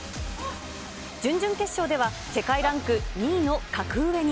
準々決勝では世界ランク２位の格上に。